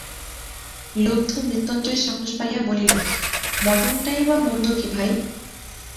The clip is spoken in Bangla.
লুব্ধ মৃত্যুঞ্জয় সাহস পাইয়া বলিল, মটনটাই বা মন্দ কী ভাই!